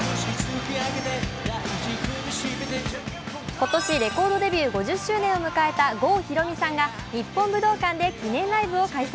今年レコードデビュー５０周年を迎えた郷ひろみさんが日本武道館で記念ライブを開催。